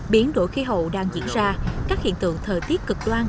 biến đổi khí hậu đang diễn ra các hiện tượng thời tiết cực đoan